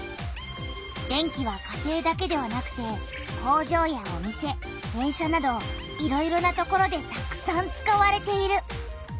電気は家庭だけではなくて工場やお店電車などいろいろな所でたくさん使われている。